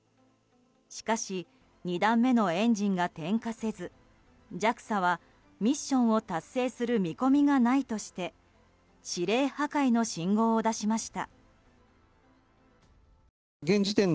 しかし、２段目のエンジンが点火せずＪＡＸＡはミッションを達成する見込みがないとして指令破壊の信号を出しました。